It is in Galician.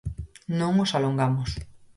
Non os alongamos.